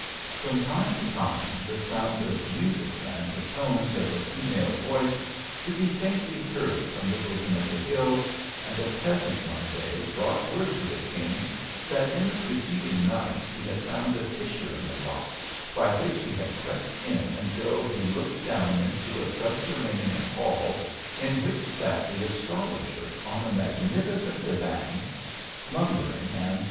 From time to time the sound of music and the tones of a female voice could be faintly heard from the bosom of the hill, and a peasant one day brought word to the king, that in the preceding night he had found a fissure in the rock, by which he had crept in until he looked down into a subterranean hall, in which sat the as trologer on a magnificent divan, slumbering and THE ARABIAN ASRTOLOGER.